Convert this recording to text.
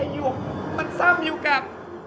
ไอ้หยวกมันซ่อนอยู่กับ